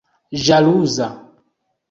ĵaluza